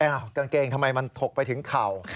กางเกงทำไมมันถกไปถึงเข่า